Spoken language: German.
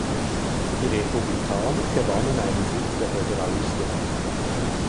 Die Republikaner gewannen einen Sitz der Föderalisten.